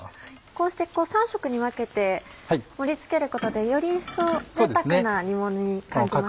こうして３色に分けて盛り付けることでより一層ぜいたくな煮ものに感じますね。